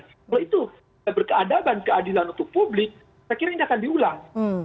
kalau itu berkeadaban keadilan untuk publik saya kira ini akan diulang